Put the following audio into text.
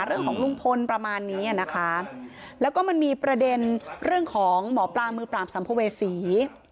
เรื่องของลุงพลประมาณนี้อ่ะนะคะแล้วก็มันมีประเด็นเรื่องของหมอปลามือปราบสัมภเวษี